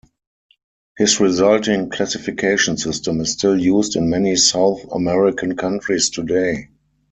His resulting classification system is still used in many South American countries today.